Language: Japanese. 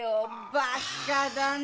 バッカだね！